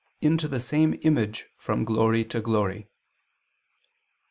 'into the same image from glory to glory.'